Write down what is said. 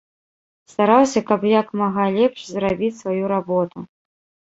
Стараўся, каб як мага лепш зрабіць сваю работу.